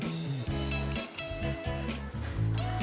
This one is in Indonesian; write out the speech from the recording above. mereka bisa menjumpai tawar